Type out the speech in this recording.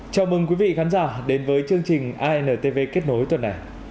chào mừng quý vị khán giả đến với chương trình intv kết nối tuần này